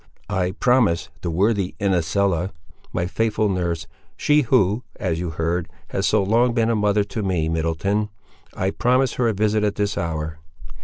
I promised the worthy Inesella, my faithful nurse, she who, as you heard, has so long been a mother to me, Middleton—I promised her a visit at this hour.